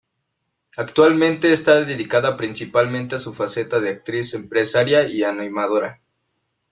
Actualmente está dedicada principalmente a su faceta de actriz, empresaria y animadora.